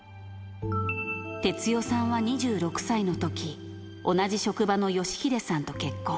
哲代さんは２６歳のとき、同じ職場の良英さんと結婚。